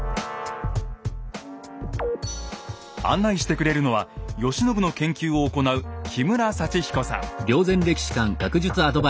案内してくれるのは慶喜の研究を行う今日ね